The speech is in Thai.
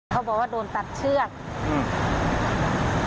เขาบอกว่าโดนตัดเชือกอืม